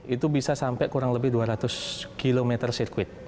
itu bisa sampai kurang lebih dua ratus km sirkuit